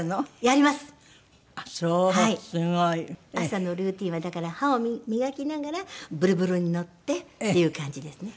朝のルーチンはだから歯を磨きながらブルブルに乗ってっていう感じですね。